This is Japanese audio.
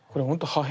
破片。